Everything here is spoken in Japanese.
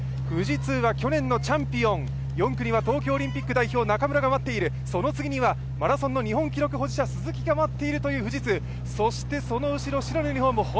富士通は去年のチャンピオン、４区には東京オリンピック代表、中村が待っている、その次にはマラソンの日本記録保持者、鈴木が待っているそして、その後ろ白のユニフォーム